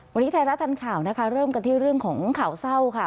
วันนี้ไทยรัฐทันข่าวนะคะเริ่มกันที่เรื่องของข่าวเศร้าค่ะ